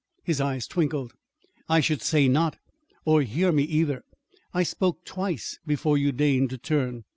His eyes twinkled. "I should say not or hear me, either. I spoke twice before you deigned to turn.